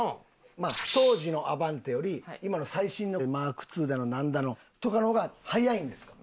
当時のアバンテより今の最新のＭｋ．Ⅱだのなんだのとかの方が速いんですか？